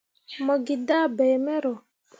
Mo gi dah bai mero.